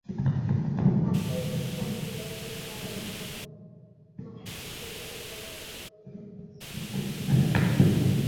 Fase visual: Color rosado con matices rojos y violetas.